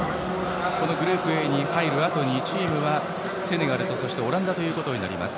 このグループＡに入るあと２チームはセネガル、オランダとなります。